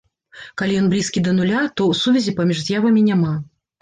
Калі ён блізкі да нуля, то сувязі паміж з'явамі няма.